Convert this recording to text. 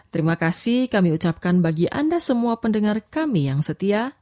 terima kasih kami ucapkan bagi anda semua pendengar kami yang setia